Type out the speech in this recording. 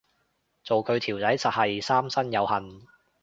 做佢條仔實係三生有幸